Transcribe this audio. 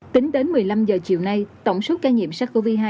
tính đến một mươi năm giờ chiều nay tổng số ca nhiễm sắc covid hai